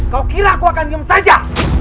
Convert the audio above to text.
kau kira aku akan diem saja